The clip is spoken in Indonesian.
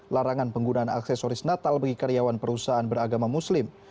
larangan penggunaan aksesoris natal bagi karyawan perusahaan beragama muslim